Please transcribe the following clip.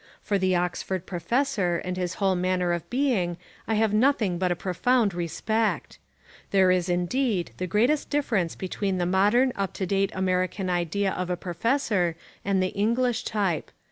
For the Oxford professor and his whole manner of being I have nothing but a profound respect. There is indeed the greatest difference between the modern up to date American idea of a professor and the English type.